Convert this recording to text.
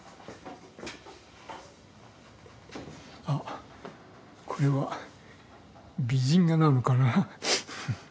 あっこれは美人画なのかな。